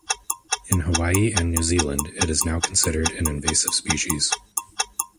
In Hawaii and New Zealand it is now considered an invasive species.